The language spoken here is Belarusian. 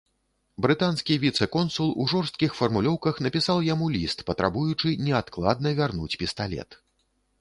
Брытанскі віцэ-консул у жорсткіх фармулёўках напісаў яму ліст, патрабуючы неадкладна вярнуць пісталет.